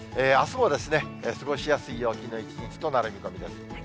あすも過ごしやすい陽気の一日となる見込みです。